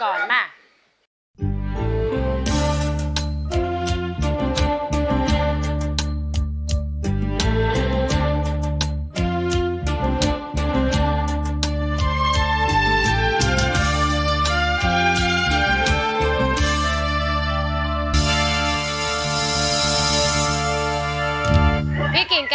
โทรหาคนรู้จัก